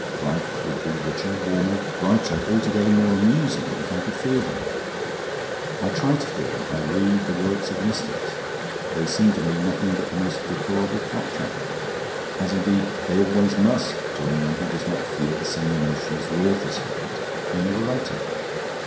Life would be richer, warmer, brighter, altogether more amusing, if I could feel them. I try to feel them. I read the works of the mystics. They seemed to me nothing but the most deplorable claptrap as indeed they always must to anyone who does not feel the same emotion as the authors felt when they were writing.